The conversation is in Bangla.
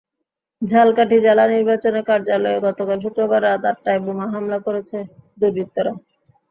ঝালকাঠি জেলা নির্বাচন কার্যালয়ে গতকাল শুক্রবার রাত আটটায় বোমা হামলা করেছে দুর্বৃত্তরা।